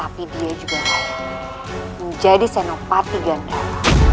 tapi dia juga layak menjadi senopati gandala